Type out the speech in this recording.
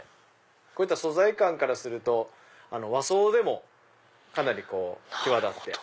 こういった素材感からすると和装でもかなり際立って。